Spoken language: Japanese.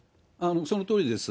そのとおりです。